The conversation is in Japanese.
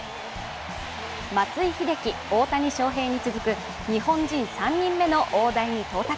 松井秀喜、大谷翔平に続く、日本人３人目の大台に到達。